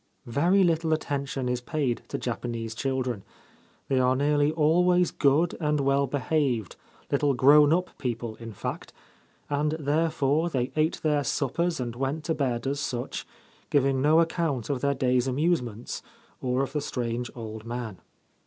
Very little attention is paid to Japanese children. They are nearly always good and well behaved, little grown up people in fact ; and therefore they ate their suppers and went to bed as such, giving no account of their day's amusements, or of the strange old man.